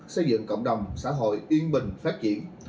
xây dựng cộng đồng xã hội yên bình phát triển